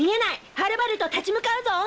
はればれと立ち向かうぞ！